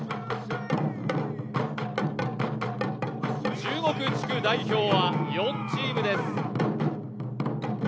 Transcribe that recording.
中国地区代表は４チームです。